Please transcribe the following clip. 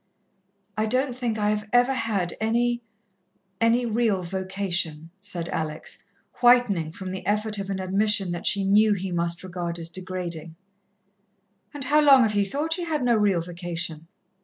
"I don't think I have ever had any any real vocation," said Alex, whitening from the effort of an admission that she knew he must regard as degrading. "And how long have ye thought ye had no real vocation?"